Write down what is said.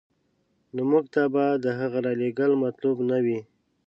نو موږ ته به د هغه رالېږل مطلوب نه وي.